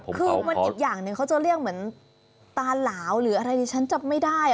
คือมันอีกอย่างหนึ่งเขาจะเรียกเหมือนตาหลาวหรืออะไรดิฉันจำไม่ได้